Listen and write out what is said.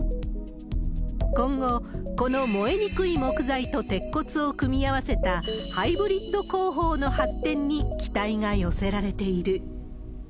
今後、この燃えにくい木材と鉄骨を組み合わせたハイブリッド工法の発展に期待が寄せられている。